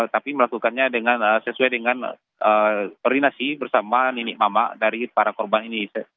tapi melakukannya sesuai dengan koordinasi bersama ninik mama dari para korban ini